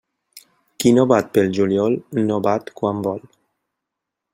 Qui no bat pel juliol no bat quan vol.